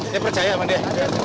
dia percaya sama dia